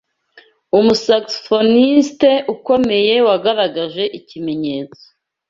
Umu saxophoniste ukomeye wagaragaje ikimenyetso